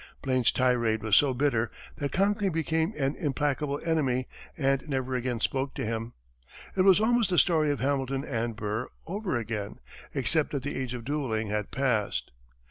Blaine's tirade was so bitter that Conkling became an implacable enemy and never again spoke to him. It was almost the story of Hamilton and Burr over again, except that the age of duelling had passed.